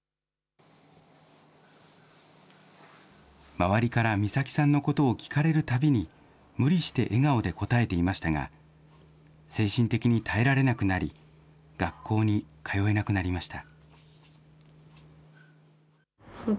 周りから美咲さんのことを聞かれるたびに、無理して笑顔で応えていましたが、精神的に耐えられなくなり、学校に通えなくなりました。